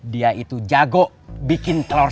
dia itu jago bikin telur